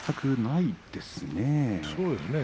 そうですね。